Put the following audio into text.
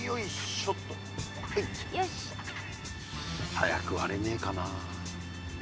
早く割れねえかな？